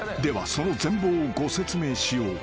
その全貌をご説明しよう］